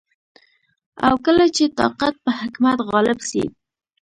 او کله چي طاقت په حکمت غالب سي